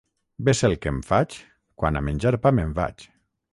Bé sé el que em faig quan a menjar pa me'n vaig.